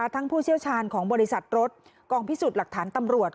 ผู้เชี่ยวชาญของบริษัทรถกองพิสูจน์หลักฐานตำรวจ